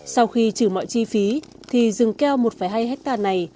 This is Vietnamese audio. sau khi trừ mọi chi phí thì rừng keo một hai hectare này